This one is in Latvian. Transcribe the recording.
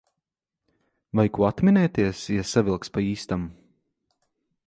Vai ko atminēties, ja savilks pa īstam?